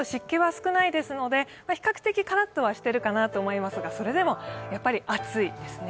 比較的カラッとはしているかなと思いますが、それでも、やっぱり暑いですね。